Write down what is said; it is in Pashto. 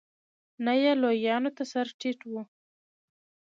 نه یې لویانو ته سر ټيټ و.